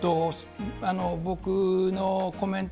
僕のコメント